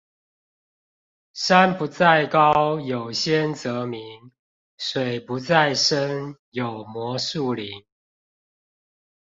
山不在高，有仙則名。水不在深，有魔術靈